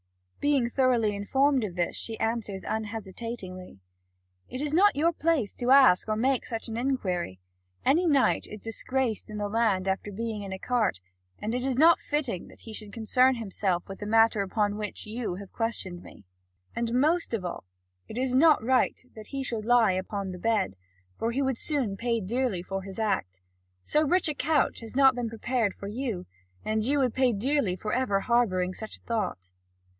Being thoroughly informed of this, she answers unhesitatingly: "It is not your place to ask or make such an inquiry. Any knight is disgraced in the land after being in a cart, and it is not fitting that he should concern himself with the matter upon which you have questioned me; and most of all it is not right that he should lie upon the bed, for he would soon pay dearly for his act. So rich a couch has not been prepared for you, and you would pay dearly for ever harbouring such a thought."